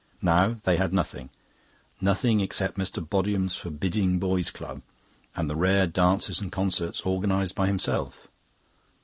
Now they had nothing, nothing except Mr. Bodiham's forbidding Boys' Club and the rare dances and concerts organised by himself.